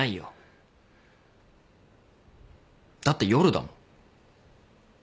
だって夜だもん。